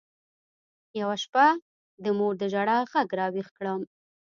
يوه شپه د مور د ژړا ږغ راويښ کړم.